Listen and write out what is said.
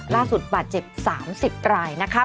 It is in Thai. ล่าสุดบาดเจ็บ๓๐รายนะคะ